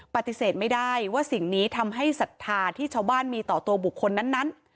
ปฏิเสธไม่ได้ว่าสิ่งนี้ทำให้ศรัทธาที่ชาวบ้านมีต่อตัวบุคคลนั้น